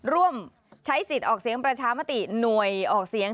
ร่วมใช้สิทธิ์ออกเสียงประชามติหน่วยออกเสียง